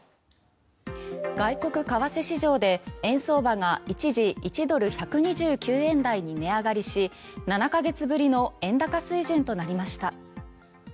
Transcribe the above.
外国為替市場で円相場が一時１ドル＝１２９円台に値上がりし７か月ぶりの円高水準となりました。